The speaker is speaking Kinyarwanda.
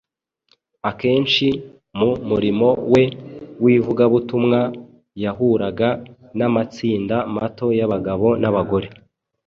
Akenshi mu murimo we w’ivugabutumwa yahuraga n’amatsinda mato y’abagabo n’abagore